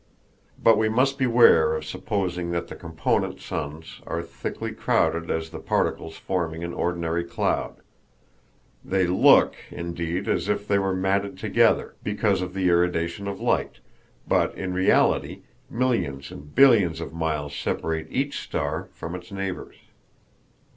But we must beware of supposing that the component suns are thickly crowded as the particles forming an ordinary cloud. They look, indeed, as if they were matted together, because of the irradiation of light, but in reality millions and billions of miles separate each star from its neighbors.